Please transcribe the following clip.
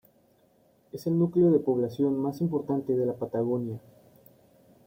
Es el núcleo de población más importante de la Patagonia.